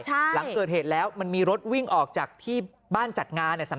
หลังเกิดเหตุแล้วมันมีรถวิ่งออกจากที่บ้านจัดงานเนี่ย